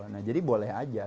nah jadi boleh aja